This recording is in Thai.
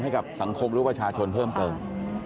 ให้กับสังคมหรือประชาชนเพิ่มเติม